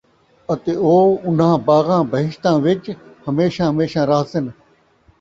اَتے او اُنھاں باغاں بہشتاں وِچ ہمیشہ ہمیشہ رَہسِن ۔